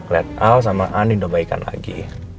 liat al sama andin udah baik kan lagi